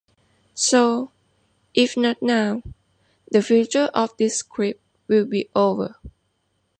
So if not now the future of this script will be over.